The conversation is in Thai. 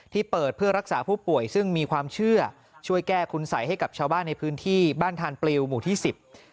เปิดเพื่อรักษาผู้ป่วยซึ่งมีความเชื่อช่วยแก้คุณสัยให้กับชาวบ้านในพื้นที่บ้านทานปลิวหมู่ที่สิบ